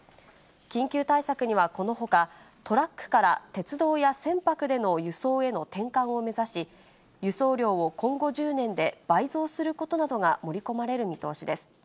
緊急対策にはこのほか、トラックから鉄道や船舶での輸送への転換を目指し、輸送量を今後１０年で倍増することなどが盛り込まれる見通しです。